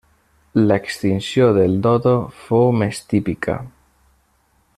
L'extinció del dodo fou més típica.